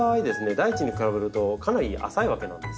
大地に比べるとかなり浅いわけなんですよ。